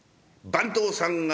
「番頭さんや」。